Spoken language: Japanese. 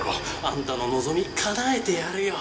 あんたの望みかなえてやるよ。